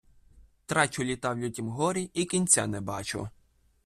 Трачу літа в лютім горі і кінця не бачу